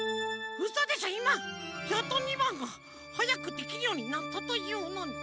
うそでしょいまやっと２ばんがはやくできるようになったというのに。